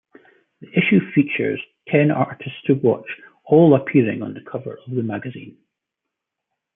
The issue features ten artists-to-watch, all appearing on the cover of the magazine.